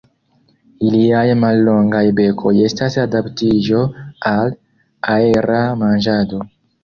Iliaj mallongaj bekoj estas adaptiĝo al aera manĝado.